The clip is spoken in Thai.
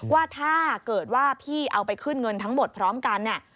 ว่าถ้าเกิดว่าพี่เอาไปขึ้นเงินทั้งหมดพร้อมกันเนี่ย